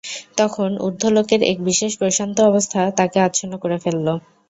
তখন ঊর্ধ্বলোকের এক বিশেষ প্রশান্ত অবস্থা তাকে আচ্ছন্ন করে ফেলল।